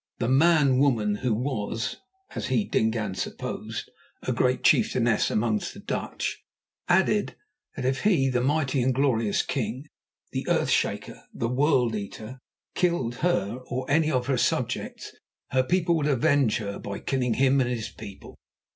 The "man woman," who was, as he, Dingaan, supposed, a great chieftainess among the Dutch, added that if he, the mighty and glorious king, the earth shaker, the world eater, killed her or any of her subjects, her people would avenge her by killing him and his people.